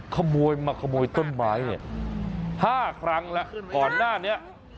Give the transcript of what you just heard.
ขโมยมาขโมยต้นไม้เนี่ย๕ครั้งแล้วก่อนหน้านี้